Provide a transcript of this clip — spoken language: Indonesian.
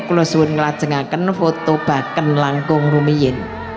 kulusun ngelacengaken foto baken langkung rumiyen